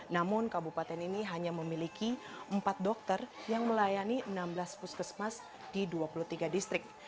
namun kabupaten ini hanya memiliki empat dokter yang melayani enam belas puskesmas di dua puluh tiga distrik